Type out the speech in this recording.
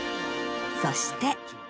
そして。